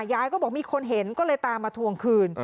ยายก็บอกมีคนเห็นก็เลยตามมาทวงคืน